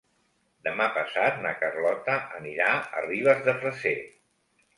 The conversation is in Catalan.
Demà passat na Carlota anirà a Ribes de Freser.